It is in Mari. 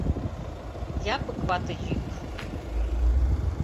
Япык вате йӱк.